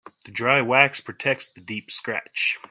The dry wax protects the deep scratch.